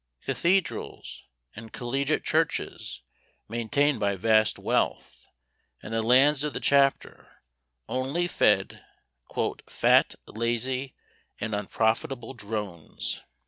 Cathedrals and collegiate churches maintained by vast wealth, and the lands of the chapter, only fed "fat, lazy, and unprofitable drones."